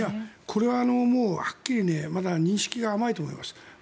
これははっきりまだ認識が甘いと思います。